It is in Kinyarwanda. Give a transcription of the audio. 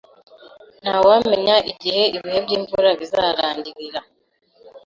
Ntawamenya igihe ibihe by'imvura bizarangirira